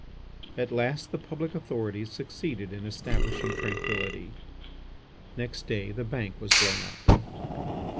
At last the public authorities succeeded in establishing tranquillity. Next day the Bank was blown up.